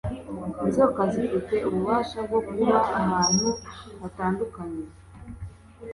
Inzoka zifite ububasha bwo kuba ahantu hatandukanye